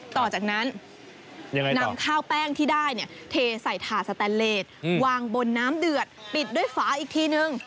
ต่อจากนั้นนำข้าวแป้งที่ได้เทใส่ถ่าสแตนเลสวางบนน้ำเดือดปิดด้วยฝาอีกทีนึง